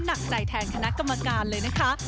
หนักใจแทนคณะกรรมการเลยนะคะ